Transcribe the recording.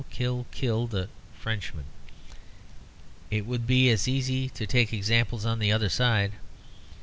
kill! kill the d d Frenchmen." It would be as easy to take examples on the other side.